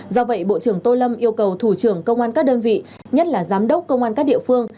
do vậy bộ trưởng tô lâm yêu cầu thủ trưởng công an các đơn vị nhất là giám đốc công an các địa phương